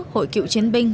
hội cựu chiến binh